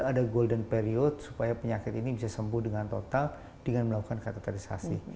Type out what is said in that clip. ada golden period supaya penyakit ini bisa sembuh dengan total dengan melakukan cateterisasi